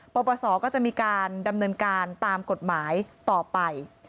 ปปศก็จะมีการดำเนินการตามกฎหมายต่อไป